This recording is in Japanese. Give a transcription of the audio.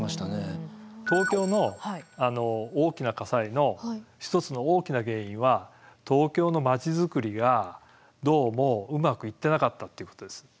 東京の大きな火災の一つの大きな原因は東京の町づくりがどうもうまくいってなかったっていうことです。